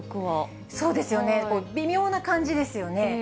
そうですよね、微妙な感じですよね。